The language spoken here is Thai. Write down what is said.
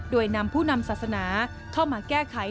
โดยนำผู้นำศาสนาเข้ามาแก้ไข